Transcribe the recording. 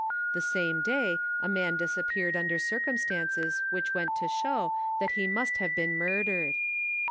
The same day a man disappeared under circunistances which went to show that he must have been murdered.